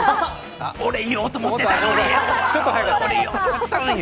俺、言おうと思ってたのに！